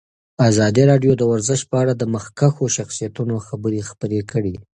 ازادي راډیو د ورزش په اړه د مخکښو شخصیتونو خبرې خپرې کړي.